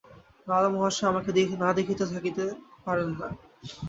দাদামহাশয় আমাকে না দেখিলে থাকিতে পারেন না।